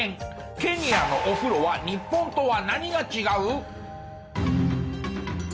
ケニアのお風呂は日本とは何が違う？